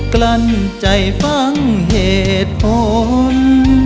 กลั้นใจฟังเหตุผล